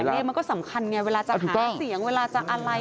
เลขมันก็สำคัญไงเวลาจะหาเสียงเวลาจะอะไร